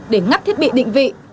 để ngắt thiết bị định vị